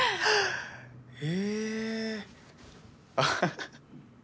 えアハハ